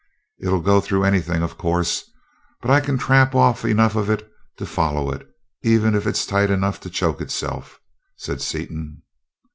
It'll go through anything, of course, but I can trap off enough of it to follow it, even if it's tight enough to choke itself," said Seaton.